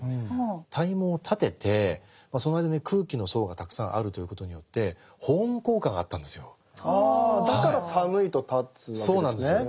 体毛を立ててその間に空気の層がたくさんあるということによってああだから寒いと立つわけですね。